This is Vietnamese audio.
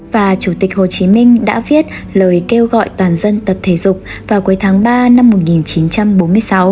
và chủ tịch hồ chí minh đã viết lời kêu gọi toàn dân tập thể dục vào cuối tháng ba năm một nghìn chín trăm bốn mươi sáu